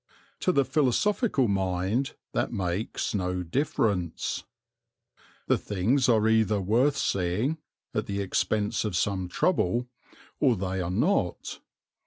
To the philosophical mind that makes no difference. The things are either worth seeing, at the expense of some trouble, or they are not.